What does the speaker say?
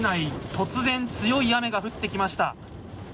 突然、強い雨が降ってきました。